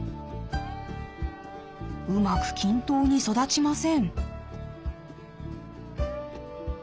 うまく均等に育ちません。